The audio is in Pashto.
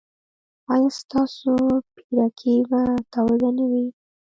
ایا ستاسو پیرکي به تاوده نه وي؟